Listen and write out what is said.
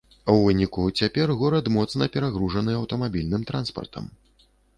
У выніку, цяпер горад моцна перагружаны аўтамабільным транспартам.